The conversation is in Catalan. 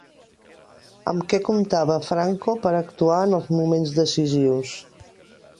Amb què comptava Franco per actuar en els moments decisius?